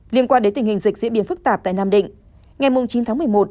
liên quan đến tình hình dịch diễn biến phức tạp tại nam định ngày chín tháng một mươi một